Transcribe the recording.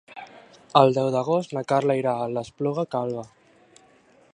El deu d'agost na Carla irà a l'Espluga Calba.